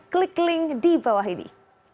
klik link di bawah ini